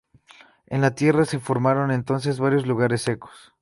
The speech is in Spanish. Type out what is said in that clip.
En la Tierra se formaron entonces varios lugares secos.